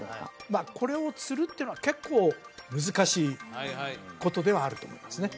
まあこれを釣るっていうのは結構難しいことではあると思いますね